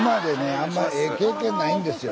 あんまええ経験ないんですよ。